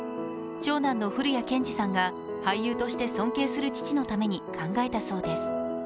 長男の降谷建志さんが俳優として尊敬する父のために考えたそうです。